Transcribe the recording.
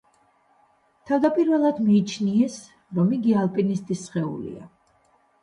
თავდაპირველად მიიჩნიეს, რომ იგი ალპინისტის სხეულია.